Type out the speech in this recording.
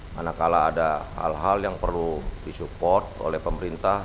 manakala ada hal hal yang perlu disupport oleh pemerintah